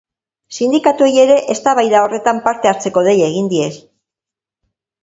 Sindikatuei ere eztabaida horretan parte hartzeko deia egin die.